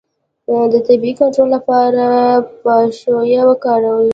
د تبې د کنټرول لپاره پاشویه وکړئ